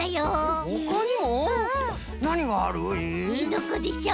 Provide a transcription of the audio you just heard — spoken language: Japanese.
どこでしょう？